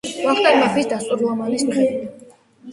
ვახტანგ მეფის დასტურლამალის მიხედვით.